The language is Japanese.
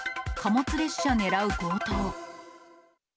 貨物列車狙う強盗。